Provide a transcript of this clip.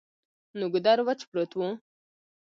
نو ګودر وچ پروت وو ـ